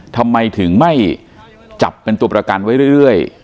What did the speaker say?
ทำไมถึงไม่จับเป็นตัวประกันไว้เรื่อย